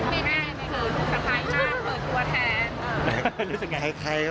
ไม่แน่ไม่ถือสุขภัยมากเพื่อตัวแทน